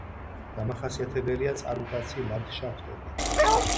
დამახასიათებელია წარმტაცი ლანდშაფტები.